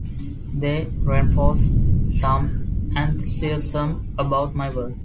They reinforce some enthusiasm about my work.